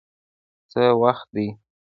څه وخت دی؟